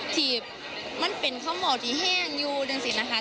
ที่มันเป็นคำบอกที่เฮ่งอยู่ดังสินะคะ